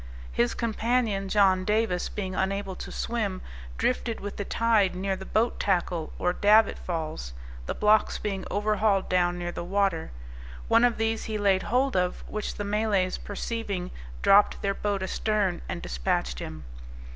His companion, John Davis, being unable to swim, drifted with the tide near the boat tackle, or davit falls, the blocks being overhauled down near the water; one of these he laid hold of, which the Malays perceiving, dropped their boat astern and despatched him!